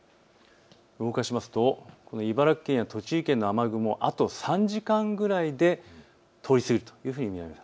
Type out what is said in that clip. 動かしますと茨城県や栃木県の雨雲、あと３時間くらいで通り過ぎると見られます。